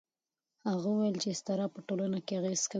هغه وویل چې اضطراب په ټولنه اغېز کوي.